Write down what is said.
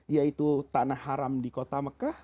yaitu tanah haram di kota mekah